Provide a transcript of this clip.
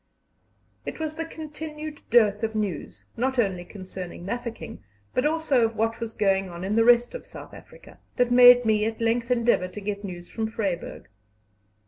It was the continued dearth of news, not only concerning Mafeking, but also of what was going on in the rest of South Africa, that made me at length endeavour to get news from Vryburg.